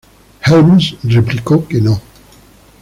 Helms replicó que no.